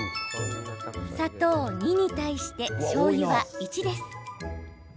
砂糖２に対してしょうゆは１です。